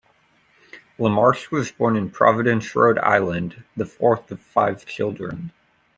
LaMarche was born in Providence, Rhode Island, the fourth of five children.